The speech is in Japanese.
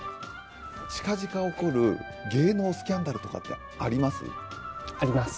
近々起こる芸能スキャンダルあります。